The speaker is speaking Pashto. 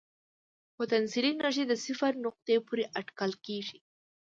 پوتنسیالي انرژي د صفر نقطې پورې اټکل کېږي.